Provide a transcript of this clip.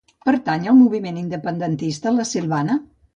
Pertany al moviment independentista la Silvana?